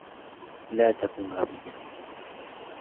لا تكن غبيا.